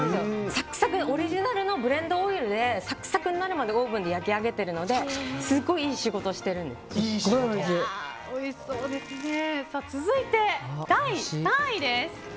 サクサクでオリジナルのブレンドオイルでサクサクになるまでオーブンで焼き上げてるので続いて第３位です。